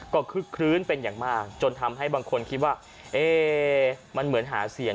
ก็คึกคลื้นเป็นอย่างมากจนทำให้บางคนคิดว่ามันเหมือนหาเสียง